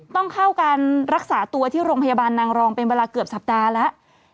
ต้องเข้าการรักษาตัวที่โรงพยาบาลนางรองเป็นเวลาเกือบสัปดาห์แล้ว